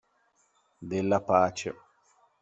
Della pace.